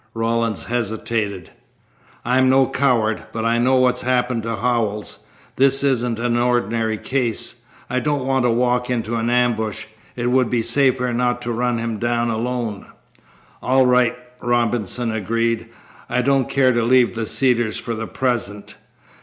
Rawlins hesitated. "I'm no coward, but I know what's happened to Howells. This isn't an ordinary case. I don't want to walk into an ambush. It would be safer not to run him down alone." "All right," Robinson agreed, "I don't care to leave the Cedars for the present.